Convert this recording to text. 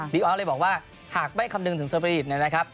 ดิออนก็เลยบอกว่ากหากไม่คำเนิ่งถึงเสียบริสต์เนี่ยนะครับ